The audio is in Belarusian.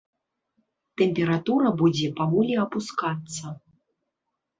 Тэмпература будзе паволі апускацца.